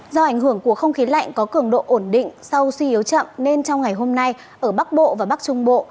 do ảnh hưởng của không khí lạnh có cường độ ổn định sau suy yếu chậm nên trong ngày hôm nay ở bắc bộ và bắc trung bộ